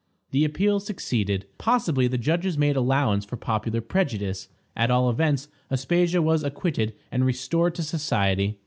The appeal succeeded; possibly the judges made allowance for popular prejudice; at all events, Aspasia was acquitted and restored to society.